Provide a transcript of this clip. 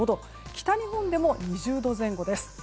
北日本でも２０度前後です。